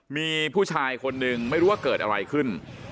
มีผู้ชายคนนึงไม่รู้ว่าเกิดอะไรขึ้น